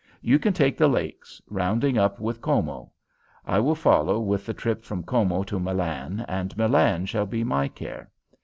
You can take the lakes, rounding up with Como. I will follow with the trip from Como to Milan, and Milan shall be my care.